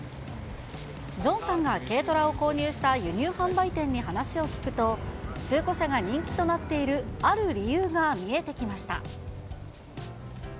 ジョンさんが軽トラを購入した輸入販売店に話を聞くと、中古車が人気となっているある理由が見えてきました。